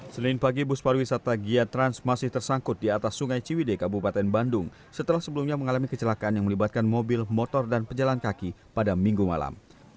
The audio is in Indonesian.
senin pagi bus pariwisata gia trans masih tersangkut di atas sungai ciwide kabupaten bandung setelah sebelumnya mengalami kecelakaan yang melibatkan mobil motor dan pejalan kaki pada minggu malam